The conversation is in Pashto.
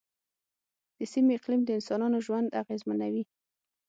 د سیمې اقلیم د انسانانو ژوند اغېزمنوي.